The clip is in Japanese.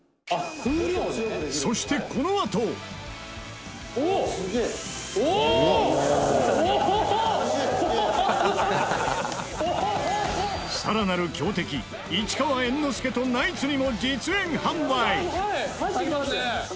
そして、このあとさらなる強敵、市川猿之助とナイツにも実演販売